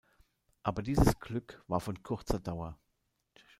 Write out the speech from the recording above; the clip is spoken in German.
Aber dieses Glück war von kurzer Dauer.